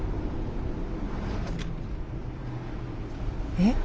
えっ？